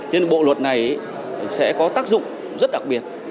thế nên bộ luật này sẽ có tác dụng rất đặc biệt